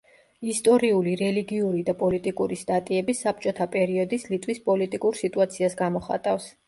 ისტორიული, რელიგიური და პოლიტიკური სტატიები საბჭოთა პერიოდის ლიტვის პოლიტიკურ სიტუაციას გამოხატავს.